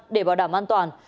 để bảo đảm an toàn